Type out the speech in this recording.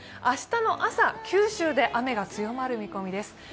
明日の朝、九州で雨が強まる見込みです。